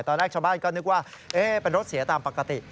ตอนแรกชาวบ้านก็นึกว่าเป็นรถเสียตามปกติ